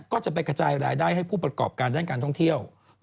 ก็จะไปกระจายรายได้ให้ผู้ประกอบการด้านการท่องเที่ยว